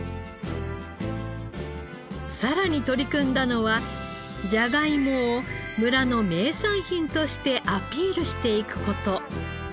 さらに取り組んだのはじゃがいもを村の名産品としてアピールしていく事。